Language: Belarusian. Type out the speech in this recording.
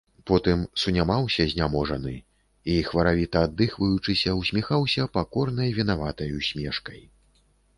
Потым сунімаўся, зняможаны, і, хваравіта аддыхваючыся, усміхаўся пакорнай вінаватай усмешкай.